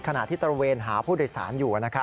ขณะที่ตระเวนหาผู้โดยสารอยู่